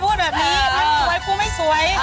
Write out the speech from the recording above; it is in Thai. พูดแบบนี้มันสวยกูไม่สวย